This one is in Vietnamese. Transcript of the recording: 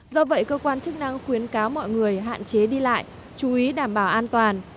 do vậy cơ quan chức năng khuyến cáo mọi người hạn chế đi lại chú ý đảm bảo an toàn